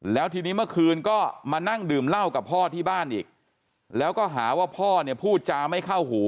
แล้วทีนี้เมื่อคืนก็มานั่งดื่มเหล้ากับพ่อที่บ้านอีกแล้วก็หาว่าพ่อเนี่ยพูดจาไม่เข้าหู